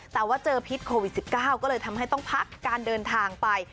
แต่ว่าเจอพิษโควิด๑๙ก็เลยทำให้ต้องพักการเดินทางไป